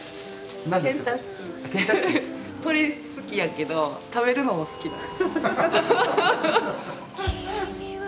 鳥好きやけど食べるのも好きなの。